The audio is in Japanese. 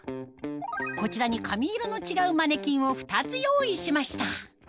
こちらに髪色の違うマネキンを２つ用意しました